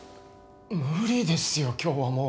無理ですよ今日はもう。